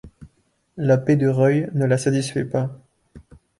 La paix de Rueil ne la satisfait pas.